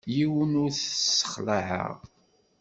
Yiwen ur t-ssexlaɛeɣ.